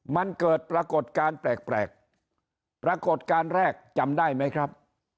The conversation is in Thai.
มันเกิดปรากฏการณ์แปลกปรากฏการณ์แรกจำได้ไหมครับ